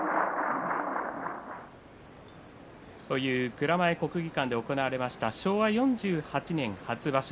蔵前国技館で行われました昭和４８年初場所。